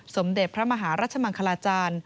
สมเด็จพระมหารัชมังขลาดราชาน